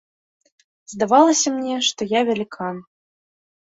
Здавалася мне, што я велікан.